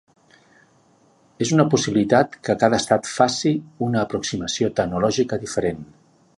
És una possibilitat que cada estat faci una aproximació tecnològica diferent.